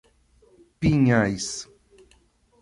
Pinhais